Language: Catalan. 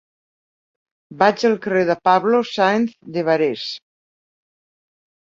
Vaig al carrer de Pablo Sáenz de Barés.